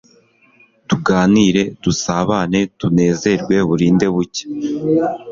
tuganire dusabane tunezerwe burinde bucya